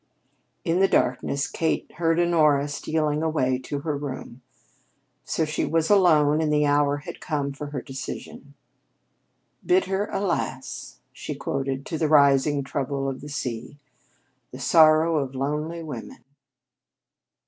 In the darkness, Kate heard Honora stealing away to her room. So she was alone, and the hour had come for her decision. "'Bitter, alas,'" she quoted to the rising trouble of the sea, '"the sorrow of lonely women.'"